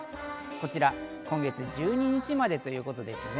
こちら今月１２日までということですね。